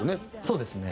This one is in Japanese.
そうですね。